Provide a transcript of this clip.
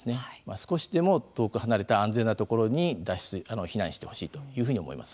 少しでも遠く離れた安全な所に避難してほしいというふうに思います。